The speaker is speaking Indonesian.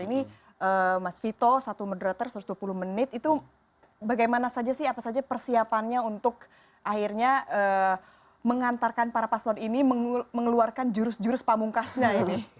ini mas vito satu moderator satu ratus dua puluh menit itu bagaimana saja sih apa saja persiapannya untuk akhirnya mengantarkan para paslon ini mengeluarkan jurus jurus pamungkasnya ini